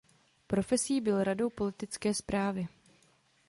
Profesí byl radou politické správy.